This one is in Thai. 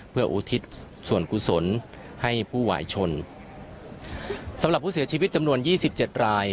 เพื่ออุทิศส่วนกุศลให้ผู้หวายชนสำหรับผู้เสียชีวิตจำนวนยี่สิบเจ็ดราย